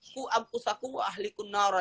ku ampus aku ahliku nara